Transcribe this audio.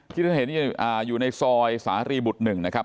ที่ท่านเห็นอยู่ในซอยสารีบุตร๑นะครับ